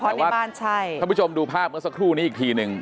แต่ว่าถ้าผู้ชมดูภาพเมื่อสักครู่นี้อีกทีนึง